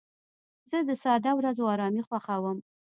زه د ساده ورځو ارامي خوښوم.